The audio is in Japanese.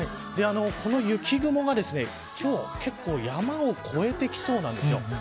この雪雲が今日、結構山を越えてきそうなんです。